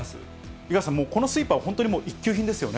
五十嵐さん、このスイーパーは本当に一級品ですよね。